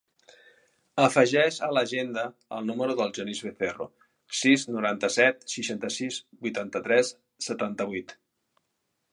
Afegeix a l'agenda el número del Genís Becerro: sis, noranta-set, seixanta-sis, vuitanta-tres, setanta-vuit.